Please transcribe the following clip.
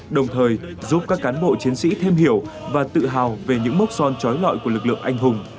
đồng thời giúp các cán bộ chiến sĩ thêm hiểu và tự hào về những mốc son trói lọi của lực lượng anh hùng